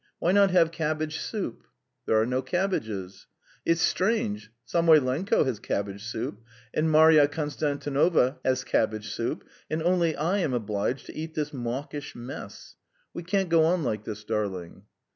Why not have cabbage soup?" "There are no cabbages." "It's strange. Samoylenko has cabbage soup and Marya Konstantinovna has cabbage soup, and only I am obliged to eat this mawkish mess. We can't go on like this, darling."